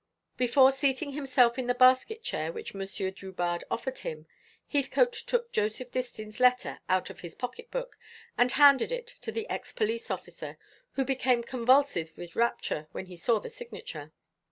Before seating himself in the basket chair which Monsieur Drubarde offered him, Heathcote took Joseph Distin's letter out of his pocket book, and handed it to the ex police officer, who became convulsive with rapture when he saw the signature.